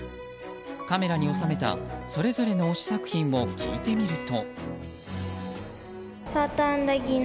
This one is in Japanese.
カメラに収めたそれぞれの推し作品を聞いてみると。